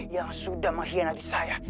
yang sudah menghianati saya